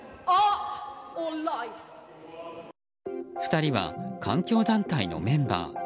２人は環境団体のメンバー。